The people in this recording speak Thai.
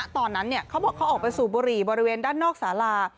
ตอนนั้นเขาบอกเขาออกไปสูบบุหรี่บริเวณด้านนอกสาลา